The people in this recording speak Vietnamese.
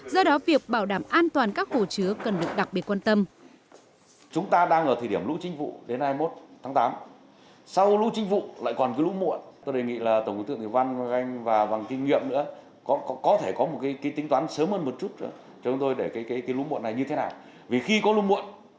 do đó việc bảo đảm an toàn các hồ chứa cần được đặc biệt quan tâm